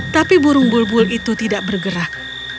tapi burung bulbul itu tidak bergerak